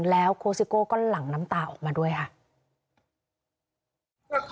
แล้วโคสิโก้ก็หลั่งน้ำตาออกมาด้วยค่ะ